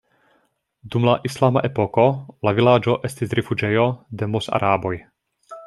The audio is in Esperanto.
Dum la islama epoko la vilaĝo estis rifuĝejo de mozaraboj.